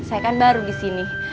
saya kan baru disini